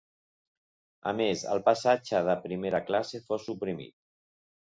A més, el passatge de primera classe fou suprimit.